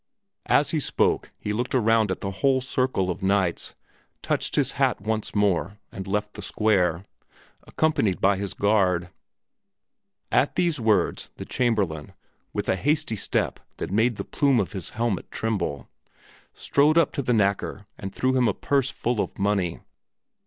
As he spoke he looked around at the whole circle of knights, touched his hat once more, and left the square, accompanied by his guard. At these words the Chamberlain, with a hasty step that made the plume of his helmet tremble, strode up to the knacker and threw him a purse full of money.